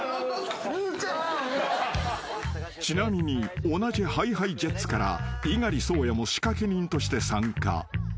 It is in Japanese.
［ちなみに同じＨｉＨｉＪｅｔｓから猪狩蒼弥も仕掛け人として参加］